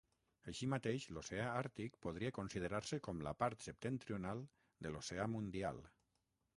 Així mateix, l'oceà Àrtic podria considerar-se com la part septentrional de l'oceà Mundial.